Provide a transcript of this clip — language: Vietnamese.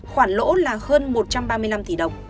khoản lỗ là hơn một trăm ba mươi năm tỷ đồng